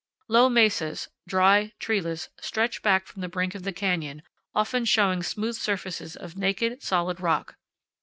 Low mesas, dry, treeless, stretch back from the brink of the canyon, often showing smooth surfaces of naked, solid rock.